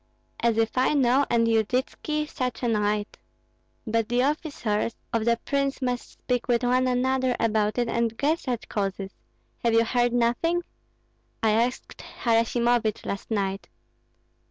"As if I know, and Yudytski such a knight!" "But the officers of the prince must speak with one another about it and guess at causes. Have you heard nothing?" "I asked Harasimovich last night."